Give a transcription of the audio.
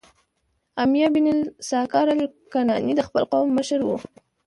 امیة بن الاسکر الکناني د خپل قوم مشر و،